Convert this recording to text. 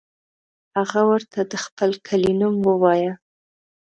هغه ورته د خپل کلي نوم ووایه.